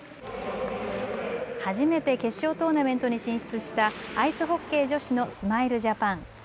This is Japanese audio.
初めて決勝トーナメントに進出したアイスホッケー女子のスマイルジャパン。